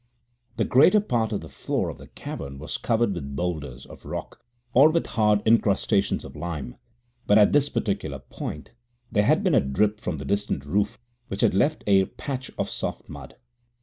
< 6 > The greater part of the floor of the cavern was covered with boulders of rock or with hard incrustations of lime, but at this particular point there had been a drip from the distant roof, which had left a patch of soft mud.